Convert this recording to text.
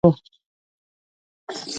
بسنت ورما یو تېز بالر وو.